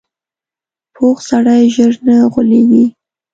پوخ سړی ژر نه غولېږي